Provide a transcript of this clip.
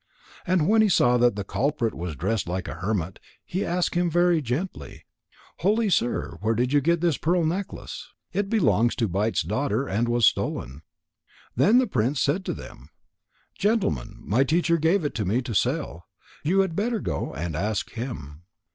And when he saw that the culprit was dressed like a hermit, he asked him very gently: "Holy sir, where did you get this pearl necklace? It belongs to Bite's daughter and was stolen." Then the prince said to them: "Gentlemen, my teacher gave it to me to sell. You had better go and ask him."